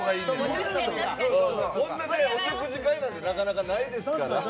こんなお食事会なんてなかなかないですから。